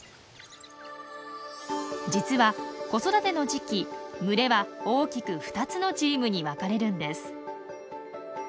実は子育ての時期群れは大きく２つのチームに分かれるんです。